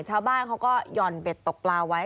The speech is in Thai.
ชาวบ้านเขาก็หย่อนเบ็ดตกปลาไว้